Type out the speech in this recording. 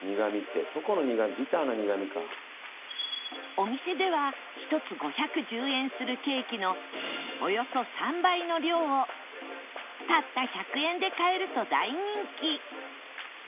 お店では１つ５１０円するケーキのおよそ３倍の量をたった１００円で買えると大人気